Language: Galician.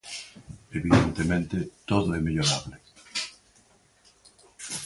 Evidentemente, todo é mellorable.